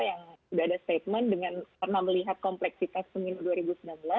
yang sudah ada statement dengan karena melihat kompleksitas pemilu dua ribu sembilan belas